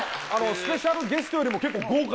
スペシャルゲストよりも結構豪華。